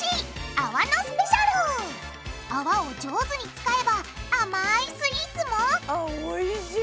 あわを上手に使えばあまいスイーツもあっおいしい！